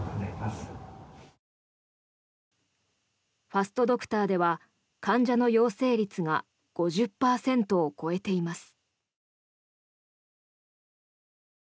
ファストドクターでは患者の陽性率が５０％を超えています。